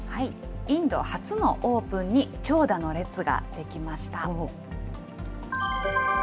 インド初のオープンに長蛇の列が出来ました。